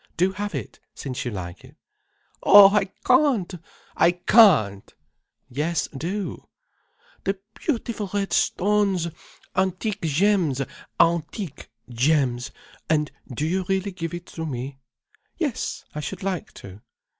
"Do have it since you like it." "Oh, I can't! I can't!—" "Yes do—" "The beautiful red stones!—antique gems, antique gems—! And do you really give it to me?" "Yes, I should like to."